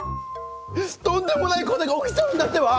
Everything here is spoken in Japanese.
とんでもないことが起きちゃうんだってば！